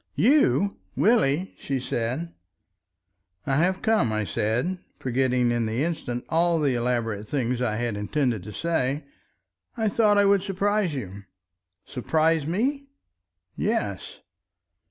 "You, Willie!" she said. "I have come," I said—forgetting in the instant all the elaborate things I had intended to say. "I thought I would surprise you—" "Surprise me?" "Yes."